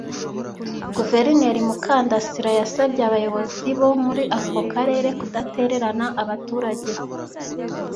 Guverineri Mukandasira yasabye abayobozi bo muri ako karere kudatererana abaturage